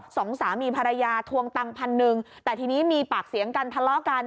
สองสามีภรรยาทวงตังพันหนึ่งแต่ทีนี้มีปากเสียงกันทะเลาะกัน